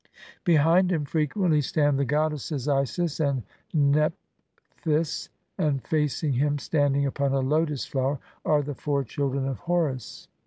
Be hind him frequently stand the goddesses Isis and Nephthys, and facing him, standing upon a lotus flower, are the four children of Horus (see p.